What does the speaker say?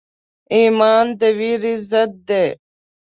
ایمان د ویرې ضد دی.